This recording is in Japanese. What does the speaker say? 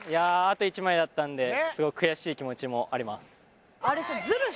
あと１枚だったんですごく悔しい気持ちもあります